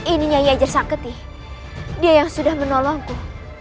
ininya yajar saketi dia yang sudah menolongku